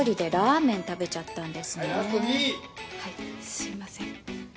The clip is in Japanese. すみません。